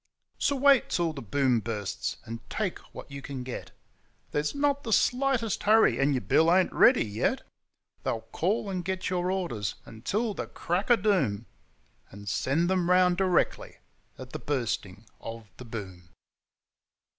So wait till the Boom bursts! and take what you can get, 'There's not the slightest hurry, and your bill ain't ready yet.' They'll call and get your orders until the crack o' doom, And send them round directly, at the Bursting of the Boom.